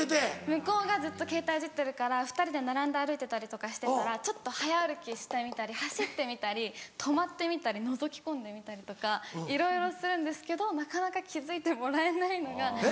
向こうがずっとケータイいじってるから２人で並んで歩いてたりしてたらちょっと早歩きしてみたり走ってみたり止まってみたりのぞき込んでみたりとかいろいろするんですけどなかなか気付いてもらえないのが。